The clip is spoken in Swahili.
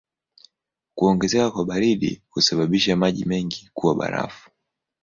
Kuongezeka kwa baridi husababisha maji mengi kuwa barafu.